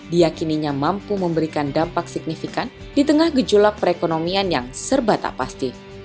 diakininya mampu memberikan dampak signifikan di tengah gejolak perekonomian yang serba tak pasti